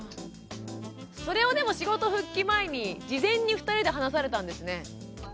それをでも仕事復帰前に事前に２人で話されたんですね。